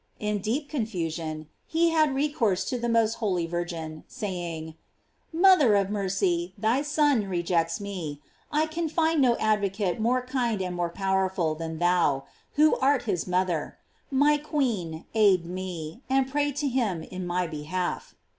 In deep confusion, he had recourse to the most holy Virgin, saying : "Mother of mercy, thy Son rejects me ; I can find no adro 140 GLORIES OF MARY, eate more kind and more powerful than thou, \vho art his mother ; my queen, aid me, and pray to him in my behalf."